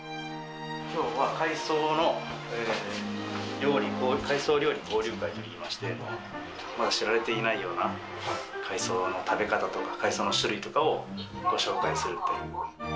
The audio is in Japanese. きょうは海藻の料理、海藻料理交流会といいまして、まだ知られていないような海藻の食べ方とか、海藻の種類とかをご紹介するっていう。